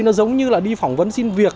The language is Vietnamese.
nó giống như là đi phỏng vấn xin việc